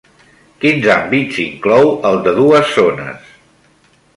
Quins àmbits inclou el de dues zones?